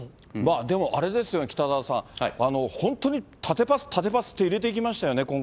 でも、あれですよね、北澤さん、本当に縦パス、縦パスって入れていきましたよね、